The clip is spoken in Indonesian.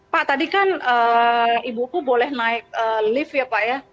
pak tadi kan ibuku boleh naik lift ya pak ya